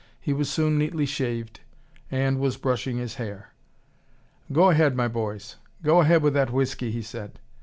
He was soon neatly shaved, and was brushing his hair. "Go ahead, my boys, go ahead with that whiskey!" he said.